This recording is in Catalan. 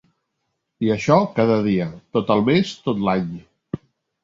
I això cada dia, tot el mes, tot l'any